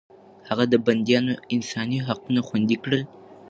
هغه د بنديانو انساني حقونه خوندي کړل.